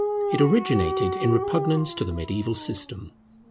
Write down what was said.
It originated in repugnance to the mediaeval system.